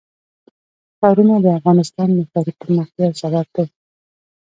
ښارونه د افغانستان د ښاري پراختیا یو سبب دی.